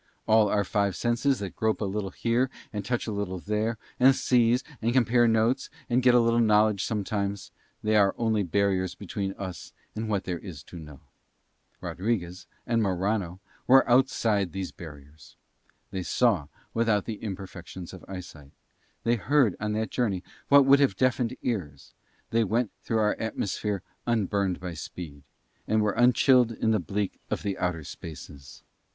All our five senses that grope a little here and touch a little there, and seize, and compare notes, and get a little knowledge sometimes, they are only barriers between us and what there is to know. Rodriguez and Morano were outside these barriers. They saw without the imperfections of eyesight; they heard on that journey what would have deafened ears; they went through our atmosphere unburned by speed, and were unchilled in the bleak of the outer spaces.